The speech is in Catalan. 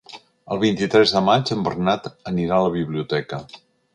El vint-i-tres de maig en Bernat anirà a la biblioteca.